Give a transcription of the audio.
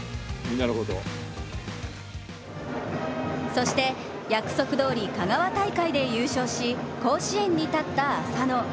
そして、約束どおり香川大会で優勝し甲子園に立った浅野。